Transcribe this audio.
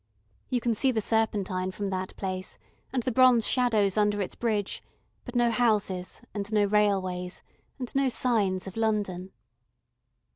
You can see the Serpentine from that place, and the bronze shadows under its bridge, but no houses, and no railways, and no signs of London.